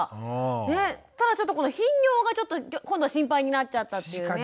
ただちょっとこの頻尿が今度は心配になっちゃったというね。